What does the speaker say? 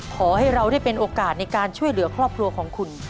ขอให้เราได้เป็นโอกาสในการช่วยเหลือครอบครัวของคุณ